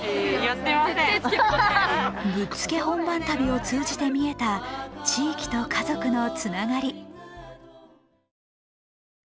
ぶっつけ本番旅を通じて見えた地域と家族の、つながり。